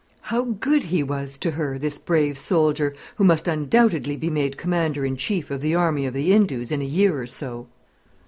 How good he was to her, this brave soldier, who must undoubtedly be made Commander in Chief of the Army of the Indus in a year or so!